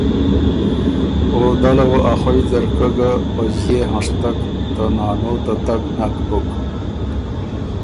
او دله وه ا خوئ ځرکۀ ګه په ݫيې هنشتک ته نانو ته تګ نک بُک